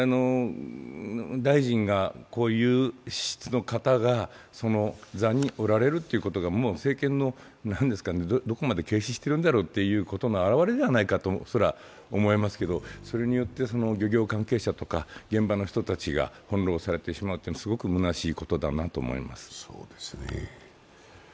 大臣がこういう資質の方が、その座におられるということがもう政権のどこまで軽視してるんだろうということのあらわれとすら思いますけどそれによって漁業関係者とか現場の人たちが翻弄されてしまうというのはすごくむなしいことだなと思います。